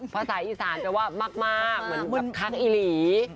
ภาษาอีสานจะว่ามากเหมือนครั้งอีหลี